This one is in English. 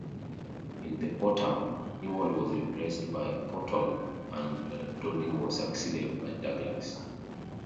In the Autumn, Newall was replaced by Portal and Dowding was succeeded by Douglas.